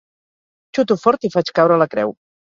Xuto fort i faig caure la creu.